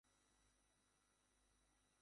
তত্ত্বাবধায়ক ছিলেন doctor Homi N সেতনা।